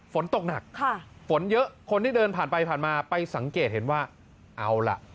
ฝนตกหนักค่ะฝนเยอะคนที่เดินผ่านไปผ่านมาไปสังเกตเห็นว่าเอาล่ะ